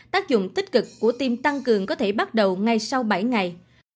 tác dụng tích cực của tim tăng cường có thể bắt đầu ngay sau bảy ngày